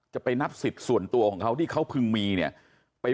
จะไปนับสิทธิ์ส่วนตัวของเขาที่เขาพึงมีเนี่ย